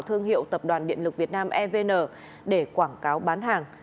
thương hiệu tập đoàn điện lực việt nam evn để quảng cáo bán hàng